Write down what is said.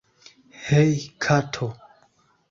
Hej kato